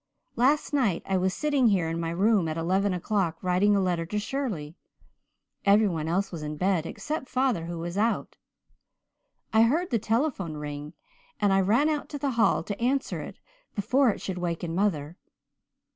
"Last night I was sitting here in my room at eleven o'clock writing a letter to Shirley. Every one else was in bed, except father, who was out. I heard the telephone ring and I ran out to the hall to answer it, before it should waken mother.